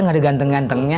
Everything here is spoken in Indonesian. gak ada ganteng gantengnya